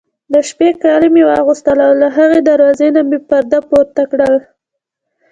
د شپې کالي مې واغوستل، له هغې دروازې نه مې پرده پورته کړل.